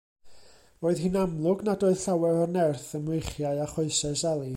Roedd hi'n amlwg nad oedd llawer o nerth ym mreichiau a choesau Sali.